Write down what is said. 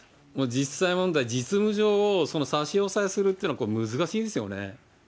実際問題、実務上その差し押さえするというのは難しいんですよね。